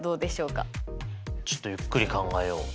ちょっとゆっくり考えよう。